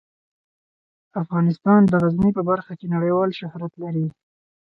افغانستان د غزني په برخه کې نړیوال شهرت لري.